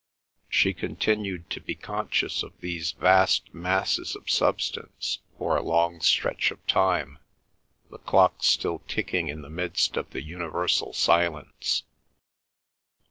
... She continued to be conscious of these vast masses of substance for a long stretch of time, the clock still ticking in the midst of the universal silence.